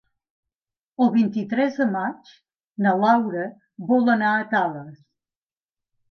El vint-i-tres de maig na Laura vol anar a Tales.